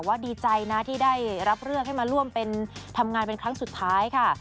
ว่าดีใจที่ได้รับเรื่องให้มาร่วมทำงานเป็นครั้งสุดท้ายค่ะ